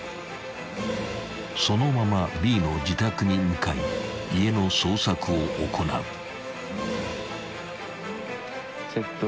［そのままＢの自宅に向かい家の捜索を行う］